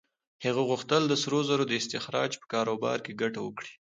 هغه غوښتل د سرو زرو د استخراج په کاروبار کې ګټه وکړي.